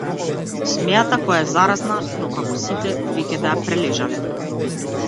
Смеата која е заразна но како сите веќе да ја прележале.